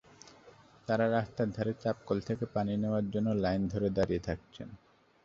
তাঁরা রাস্তার ধারে চাপকল থেকে পানি নেওয়ার জন্য লাইন ধরে দাঁড়িয়ে থাকছেন।